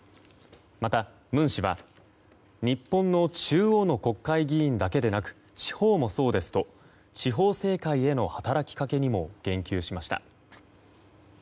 また文氏は日本の中央の国会議員だけでなく地方もそうですと地方政界への働きかけにも言及しました。